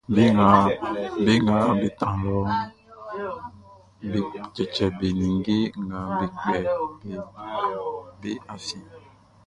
Be nga be tran lɔʼn, be cɛcɛ be ninnge nga be kpɛ beʼn be afiɛn.